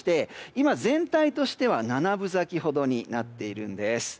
今、全体としては七分咲きほどになっているんです。